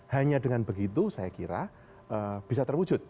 hanya dengan begitu saya kira bisa terwujud